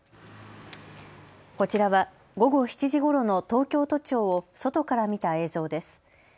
こちらは午後７時ごろの東京都庁を外から見た映像です。